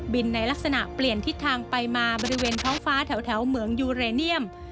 ในลักษณะเปลี่ยนทิศทางไปมาบริเวณท้องฟ้าแถวเหมืองยูเรเนียม